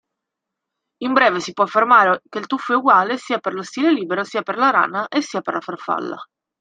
In beve si può affermare che il tuffo è uguale sia per lo stile libero, sia per la rana e sia per la farfalla.